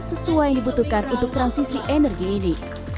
sesuai yang dibutuhkan untuk transisi energi ini